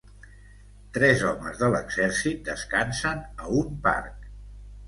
Tres homes de l'exèrcit descansen a un parc.